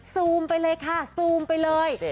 ซูมไปเลยค่ะซูมไปเลย